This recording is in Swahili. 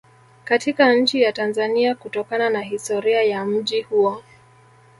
Katika nchi ya Tanzania kutokana na historia ya mji huo